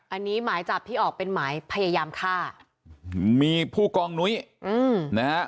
อันนี้หมายจับที่ออกเป็นหมายพยายามฆ่ามีผู้กองนุ้ยอืมนะฮะ